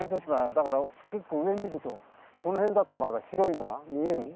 だから結構上見るとこの辺だとまだ白いのが見える？